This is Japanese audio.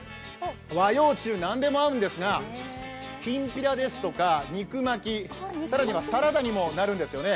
和洋中、何でも合うんですがきんぴらですとか、肉巻き、更にはサラダにもなるんですよね。